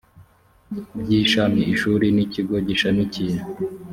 by ishami ishuri n ikigo gishamikiye